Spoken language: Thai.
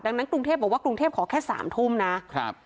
ดังนั้นกรุงเทพฯบอกว่ากรุงเทพฯขอแค่๓ทุ่มนะ